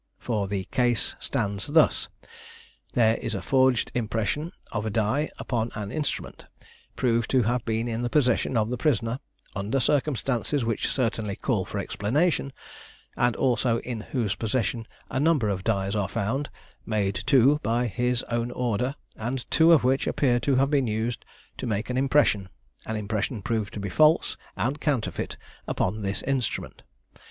For the case stands thus: There is a forged impression of a die upon an instrument, proved to have been in the possession of the prisoner, under circumstances which certainly call for explanation, and also in whose possession a number of dies are found, made too by his own order, and two of which appear to have been used to make an impression, an impression proved to be false and counterfeit upon this instrument.